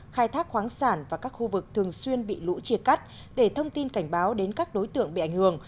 khai thác khoáng sản và các khu vực thường xuyên bị lũ chia cắt để thông tin cảnh báo đến các đối tượng bị ảnh hưởng